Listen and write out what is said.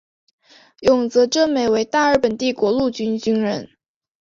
永泽正美为大日本帝国陆军军人。